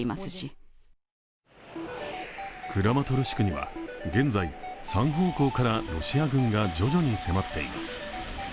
クラマトルシクには現在、３方向からロシア軍が徐々に迫っています。